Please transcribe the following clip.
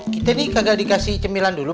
kita ini kagak dikasih cemilan dulu